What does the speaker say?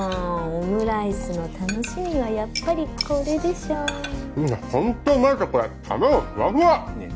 オムライスの楽しみはやっぱりこれでしょいやホントうまいですこれ卵ふわふわねえ